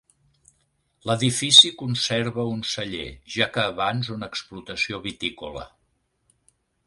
L'edifici conserva un celler, ja que abans una explotació vitícola.